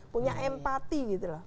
punya empati gitu loh